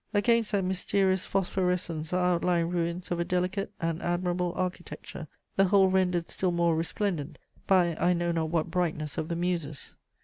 Against that mysterious phosphorescence are outlined ruins of a delicate and admirable architecture, the whole rendered still more resplendent by I know not what brightness of the Muses.